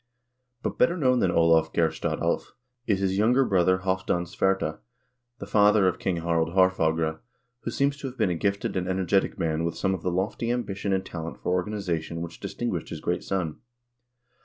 But better known than Olav Geirstad Alv is his younger brother Halvdan Svarte, the father of King Harald Haarf agre, who seems to have been a gifted and energetic man with some of the lofty ambition and talent for organization which distinguished his great son.